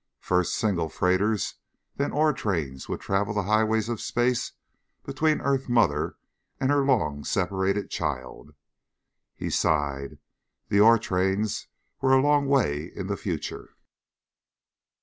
First single freighters, then ore trains, would travel the highways of space between earth mother and her long separated child. He sighed. The ore trains were a long way in the future.